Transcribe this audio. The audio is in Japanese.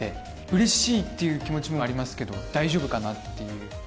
嬉しいっていう気持ちもありますけど大丈夫かな？っていう。